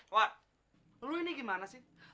wah lu ini gimana sih